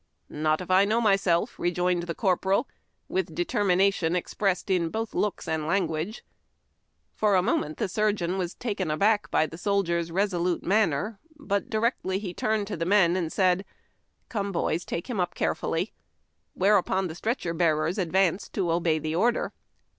"Not if I know myself," rejoined the corporal, with determination expressed in both looks and language. For a moment the surgeon was taken aback by the sol dier's resolute manner. But directly he turned to the men and said, " Come, boys, take him up carefully," whereupon the stretcher bearers advanced to obey the order.